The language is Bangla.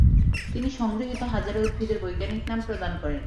তিনি সংগৃহীত হাজারো উদ্ভিদের বৈজ্ঞানিক নাম প্রদান করেন।